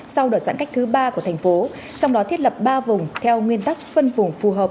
sau đợt giãn cách thứ ba của thành phố trong đó thiết lập ba vùng theo nguyên tắc phân vùng phù hợp